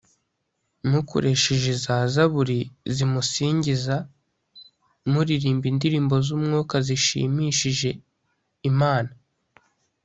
mukoresheje za zaburi zimusingiza muririmba indirimbo z’umwuka zishimishije imana